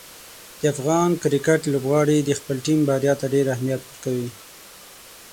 د افغان کرکټ لوبغاړي د خپلې ټیم بریا ته ډېر اهمیت ورکوي.